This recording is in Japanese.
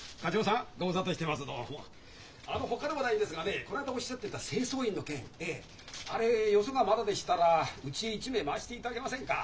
あのほかでもないんですがねこの間おっしゃってた清掃員の件ええあれよそがまだでしたらうちへ１名回していただけませんか？